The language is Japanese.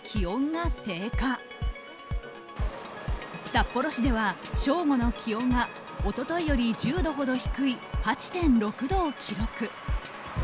札幌市では正午の気温が一昨日より１０度ほど低い８．６度を記録。